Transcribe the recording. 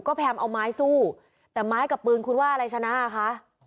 ก็พยายามเอาไม้สู้แต่ไม้กับปืนคุณว่าอะไรชนะคะ